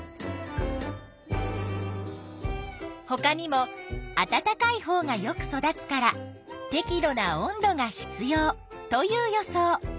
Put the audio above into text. ほかにも「あたたかいほうがよく育つからてき度な温度が必要」という予想。